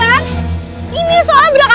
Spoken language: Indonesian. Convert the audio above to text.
hal ini nama ok berhenti